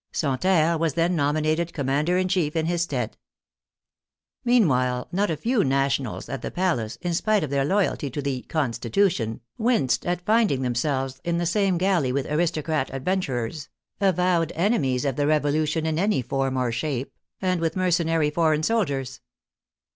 Santerre was then nominated commander in chief in his stead. Meanwhile not a few " Nationals '' at the palace, in spite of their loyalty to the " Constitution," winced at THE TENTH OF AUGUST 39 finding themselves in the same galley with aristocrat adventurers — avowed enemies of the Revolution in any form or shape — and with mercenary foreign soldiers.